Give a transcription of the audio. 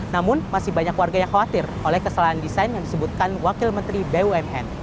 namun masih banyak warga yang khawatir oleh kesalahan desain yang disebutkan wakil menteri bumn